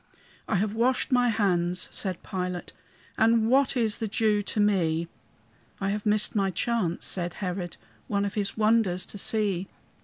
"I have washed my hands," said Pilate, "And what is the Jew to me?" "I have missed my chance," said Herod, "One of his wonders to see.